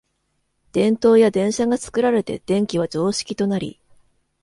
電燈や電車が作られて電気は常識となり、